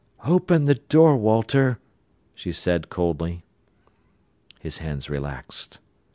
"Open the door, Walter," she said coldly. His hands relaxed.